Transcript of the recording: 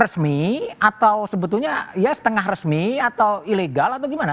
resmi atau sebetulnya ya setengah resmi atau ilegal atau gimana